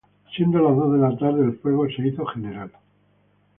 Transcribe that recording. Siendo las dos de la tarde el fuego se hizo general.